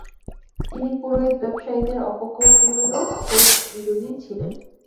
তিনি পুরোহিত-ব্যবসায়ীদের অপকৌশলেরও ঘোর বিরোধী ছিলেন।